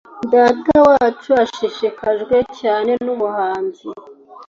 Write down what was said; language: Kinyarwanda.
Datawacu ashishikajwe cyane n'ubuhanzi.